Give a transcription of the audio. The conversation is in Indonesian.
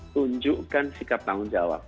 tunjukkan sikap tanggung jawab